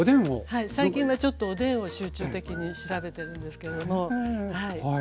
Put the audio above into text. はい最近はちょっとおでんを集中的に調べてるんですけれども。